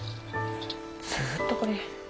ずっとこれ。